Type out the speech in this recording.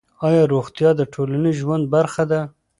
آیا روغتیا د ټولنیز ژوند برخه ده؟